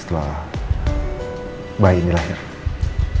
setelah yang beginning do we want to choose test